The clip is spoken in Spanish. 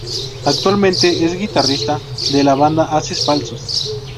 Actualmente es guitarrista de la banda Ases Falsos.